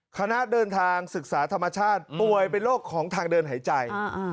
คณะเดินทางศึกษาธรรมชาติป่วยเป็นโรคของทางเดินหายใจ